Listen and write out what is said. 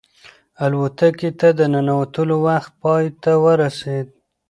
الوتکې ته د ننوتلو وخت پای ته ورسېد.